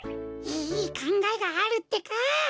いいかんがえがあるってか！